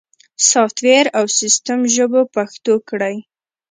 سافت ویر او سیستم ژبه پښتو کړئ